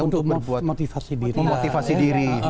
untuk memotivasi diri